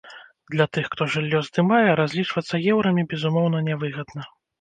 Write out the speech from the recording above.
Для тых, хто жыллё здымае, разлічвацца еўрамі безумоўна нявыгадна.